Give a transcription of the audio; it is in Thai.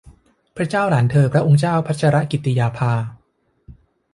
พระเจ้าหลานเธอพระองค์เจ้าพัชรกิติยาภา